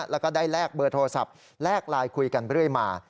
แล้วก็ได้แลกเบอร์โทรศัพท์แลกไลน์คุยกันเรื่อยมา